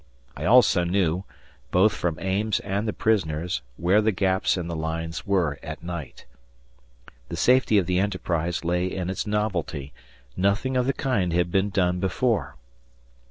I also knew, both from Ames and the prisoners, where the gaps in the lines were at night. The safety of the enterprise lay in its novelty; nothing of the kind had been done before.